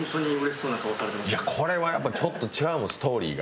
いやこれはやっぱちょっと違うもんストーリーが。